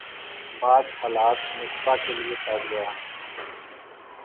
بعد حالات مصباح کے لیے سازگار